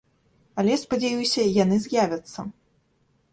Але, спадзяюся, яны з'явяцца.